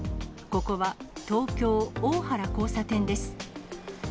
ここは東京・大原交差点です。